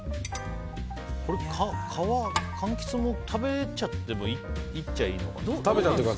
かんきつも皮、食べちゃってもいいっちゃいいのかな。